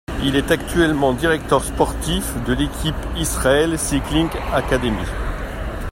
Il est actuellement directeur sportif de l'équipe Israel Cycling Academy.